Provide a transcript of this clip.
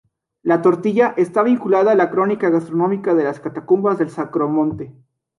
La tortilla está vinculada a la crónica gastronómica de las Catacumbas del Sacromonte.